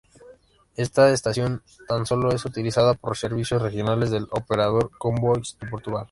Esta estación tan solo es utilizada por servicios regionales del operador Comboios de Portugal.